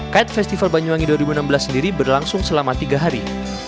kite festival banyuwangi dua ribu enam belas sendiri berlangsung selama tiga hari